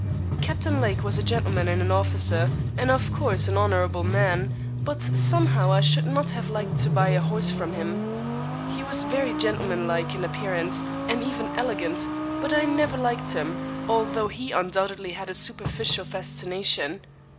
Captain Lake was a gentleman and an officer, and of course an honourable man; but somehow I should not have liked to buy a horse from him. He was very gentlemanlike in appearance, and even elegant; but I never liked him, although he undoubtedly had a superficial fascination.